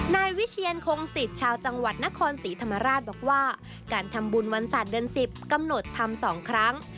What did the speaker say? นายวิเชียนคงสิทธิ์ชาวจังหวัดนครศรีธรรมราชบอกว่าการทำบุญวันศาสตร์เดือน๑๐กำหนดทำ๒ครั้ง